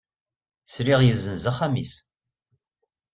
Sliɣ yezzenz axxam-is.